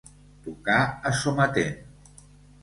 Tocar a sometent.